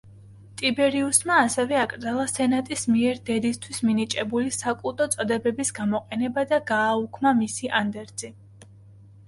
ტიბერიუსმა ასევე აკრძალა სენატის მიერ დედისთვის მინიჭებული საკულტო წოდებების გამოყენება და გააუქმა მისი ანდერძი.